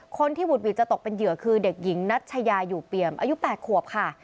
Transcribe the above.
คนที่หุดหวิดจะตกเป็นเหยื่อคือเด็กหญิงนัชยาอยู่เปี่ยมอายุ๘ขวบค่ะ